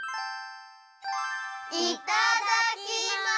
いただきます。